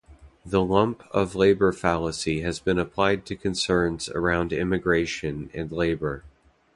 The lump of labour fallacy has been applied to concerns around immigration and labour.